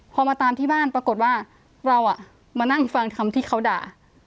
พอมาตามที่บ้านปรากฏว่าเรามานั่งฟังคำที่เขาด่า